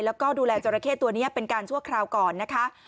แล้วก็ดูแลจราเข้ตัวนี้เป็นการชั่วคราวก่อนนะคะ